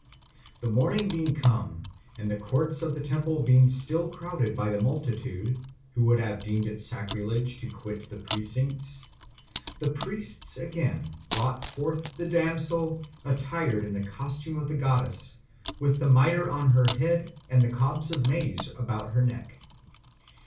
The morning being come, and the courts of the temple being still crowded by the multitude, who would have deemed it sacrilege to quit the precincts, the priests again brought forth the damsel attired in the costume of the goddess, with the mitre on her head and the cobs of maize about her neck.